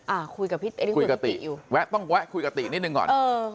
อ่าคุยกับพี่คุยกับติอยู่แวะต้องแวะคุยกับตินิดนึงก่อนเออ